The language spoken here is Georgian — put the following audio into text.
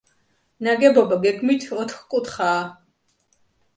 ნაგებობა გეგმით ოთხკუთხაა.